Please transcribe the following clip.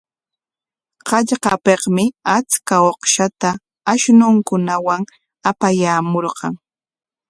Hallqapikmi achka uqshata ashnunkunawan apayaamurqan.